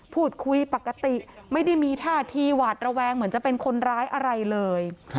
พูดคุยปกติไม่ได้มีท่าทีหวาดระแวงเหมือนจะเป็นคนร้ายอะไรเลย